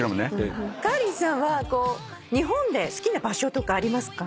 カーリーさんは日本で好きな場所とかありますか？